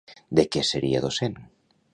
De què seria docent?